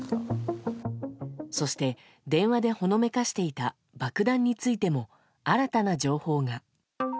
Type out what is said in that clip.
そして、電話でほのめかしていた爆弾についても新たな情報が。